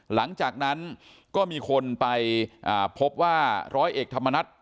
หลังจากนั้นก็มีคนไปพบว่าร้อยเอกธรรมนัฐ